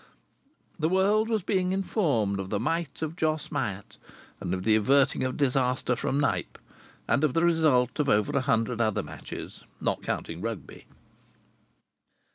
The world was being informed of the might of Jos Myatt, and of the averting of disaster from Knype, and of the results of over a hundred other matches not counting Rugby.